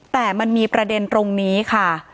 แต่มันมีประเด็นตรงนี้ค่ะ